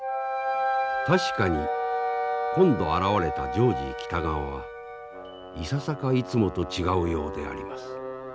確かに今度現れたジョージ北川はいささかいつもと違うようであります。